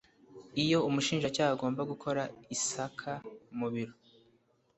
iyo umushinjacyaha agomba gukora isaka mu biro